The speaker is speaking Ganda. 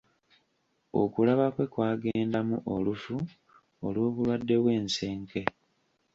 Okulaba kwe kwagendamu olufu olw'obulwadde bw'ensenke.